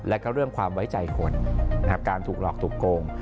แล้วก็เรื่องความไว้ใจคนการถูกหลอกถูกโกง